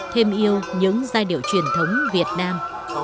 thêm yêu những giai điệu truyền thống việt nam